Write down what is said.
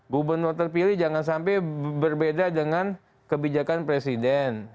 gubernur terpilih jangan sampai berbeda dengan kebijakan presiden